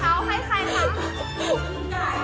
หัวใครชื่อผีนะ